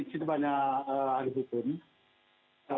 di situ banyak hari kemudian